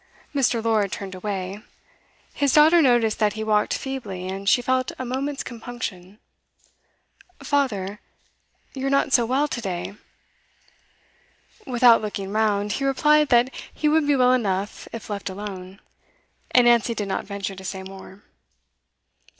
Mr. Lord turned away. His daughter noticed that he walked feebly, and she felt a moment's compunction. 'Father you are not so well to day.' Without looking round, he replied that he would be well enough if left alone; and Nancy did not venture to say more.